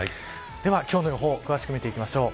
では今日の予報詳しく見ていきましょう。